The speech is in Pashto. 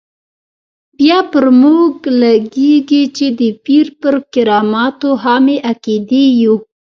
بیا پر موږ لګېږي چې د پیر پر کراماتو خامې عقیدې یو.